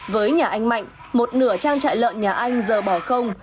với nhà anh mạnh một nửa trang trại lợn nhà anh giờ bỏ không